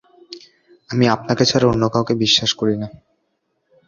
আমি আপনাকে ছাড়া অন্য কাউকে বিশ্বাস করি না।